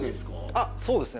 あっそうですね。